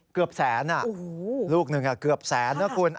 เกือบแสนลูกหนึ่งเกือบแสนนะคุณ